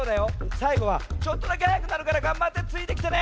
さいごはちょっとだけはやくなるからがんばってついてきてね。